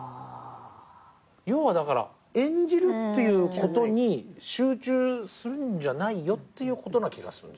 要は演じるっていうことに集中するんじゃないよっていうことな気がするんですよね。